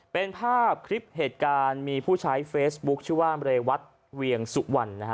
เป็นภาพคลิปเหตุการณ์มีผู้ใช้เฟซบุ๊คชื่อว่าเรวัตเวียงสุวรรณนะฮะ